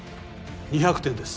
２００点です。